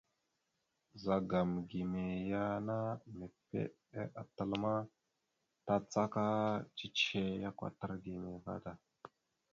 Ɓəzagam gime ya ana mèpiɗe tal ma, tàcaka cicihe ya kwatar gime vaɗ da.